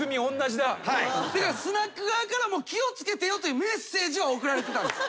だからスナック側からも気を付けてよというメッセージは送られてたんです。